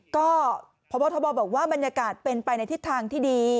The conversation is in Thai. ก็พบทบบอกว่าบรรยากาศเป็นไปในทิศทางที่ดี